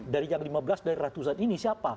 dari yang lima belas dari ratusan ini siapa